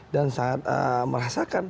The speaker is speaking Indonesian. dan sangat merasakan